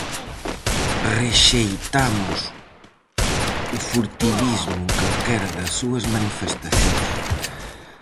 Reixeitamos o furtivismos en calquera das súas manifestacións.